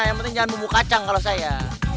yang penting jangan bumbu kacang kalau saya